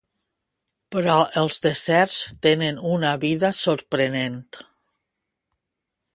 Però els deserts tenen una vida sorprenent.